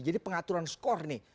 jadi pengaturan skor nih